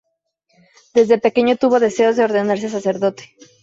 Desde pequeño tuvo deseos de ordenarse sacerdote.